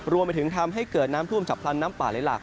รวมไปถึงทำให้เกิดน้ำท่วมฉับพลันน้ำป่าไหลหลัก